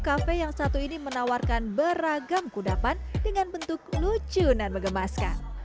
kafe yang satu ini menawarkan beragam kudapan dengan bentuk lucu dan mengemaskan